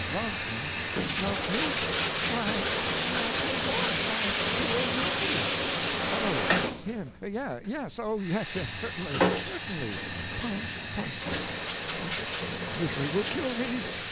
"'Loved him! Loved who?' "'Why, my poor George! my poor nephew!' "'Oh him! Yes oh, yes, yes. Certainly certainly. Punch punch oh, this misery will kill me!'